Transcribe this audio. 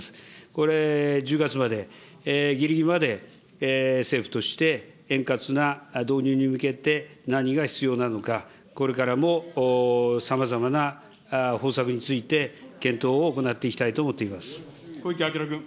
これ、１０月まで、ぎりぎりまで政府として、円滑な導入に向けて何が必要なのか、これからもさまざまな方策について、検討を行っていきたいと思っ小池晃君。